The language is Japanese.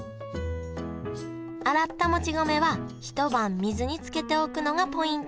洗ったもち米はひと晩水につけておくのがポイントです